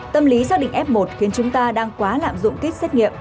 tâm lý xác định f một khiến chúng ta đang quá lạm dụng kit xét nghiệm